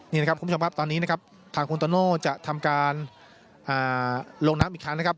นี่นะครับคุณผู้ชมครับตอนนี้นะครับทางคุณโตโน่จะทำการลงน้ำอีกครั้งนะครับ